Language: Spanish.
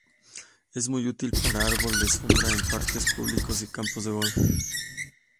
Es muy útil como árbol de sombra en parques públicos y campos de golf.